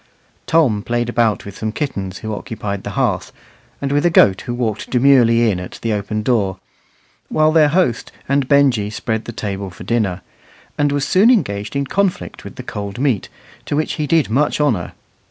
Tom played about with some kittens who occupied the hearth, and with a goat who walked demurely in at the open door while their host and Benjy spread the table for dinner and was soon engaged in conflict with the cold meat, to which he did much honour.